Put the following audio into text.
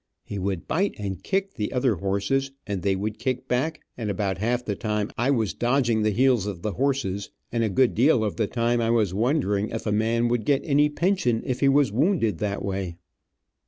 He would bite and kick the other horses, and they would kick back, and about half the time I was dodging the heels of horses, and a good deal of the time I was wondering if a man would get any pension if he was wounded that way.